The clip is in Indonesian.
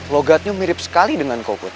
logatnya mirip sekali dengan covid